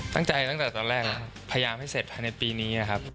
ตั้งใจตั้งแต่ตอนแรกพยายามให้เสร็จในปีนี้นะครับ